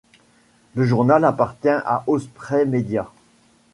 Le journal appartient à Osprey Media.